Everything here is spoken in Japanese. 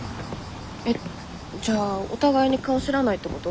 えっじゃあお互いに顔知らないってこと？